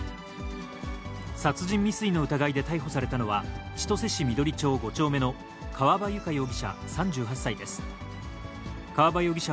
殺人未遂の疑いで逮捕されたのは、千歳市緑町５丁目の川場友香容疑者